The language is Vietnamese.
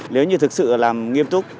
nếu như thực sự làm nghiêm túc